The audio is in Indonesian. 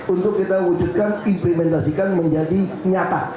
untuk kita wujudkan implementasikan menjadi nyata